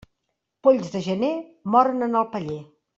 Polls de gener, moren en el paller.